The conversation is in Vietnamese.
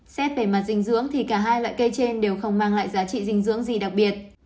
xét về mặt dinh dưỡng thì cả hai loại cây trên đều không mang lại giá trị dinh dưỡng gì đặc biệt